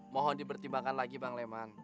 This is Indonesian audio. mohon dipertimbangkan lagi bang leman